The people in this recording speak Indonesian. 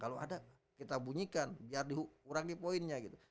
kalau ada kita bunyikan biar dikurangi poinnya gitu